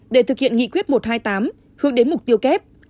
để thực hiện nghị quyết một trăm hai mươi tám hướng đến mục tiêu kép